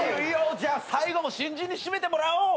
じゃあ最後も新人に締めてもらおう。